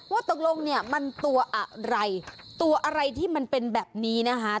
ว่าตกลงเนี่ยมันตัวอะไรตัวอะไรที่มันเป็นแบบนี้นะคะ